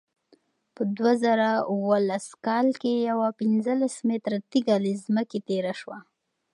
په دوه زره اوولس کال کې یوه پنځلس متره تېږه له ځمکې تېره شوه.